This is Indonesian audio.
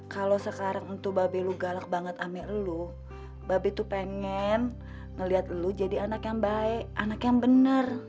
kalau sekarang babi lo galak banget amik lo babi tuh pengen ngeliat lo jadi anak yang baik anak yang bener